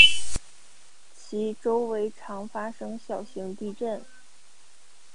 其周围常发生小型地震。